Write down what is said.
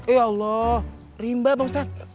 ya allah rimba bang ustadz